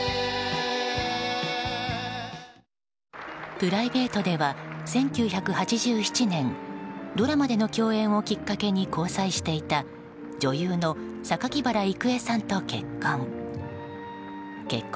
プライベートでは１９８７年ドラマでの共演をきっかけに交際していた女優の榊原郁恵さんと結婚。